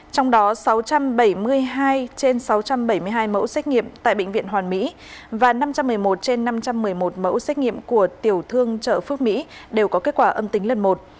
trong đó sáu trăm bảy mươi hai trên sáu trăm bảy mươi hai mẫu xét nghiệm tại bệnh viện hoàn mỹ và năm trăm một mươi một trên năm trăm một mươi một mẫu xét nghiệm của tiểu thương chợ phước mỹ đều có kết quả âm tính lần một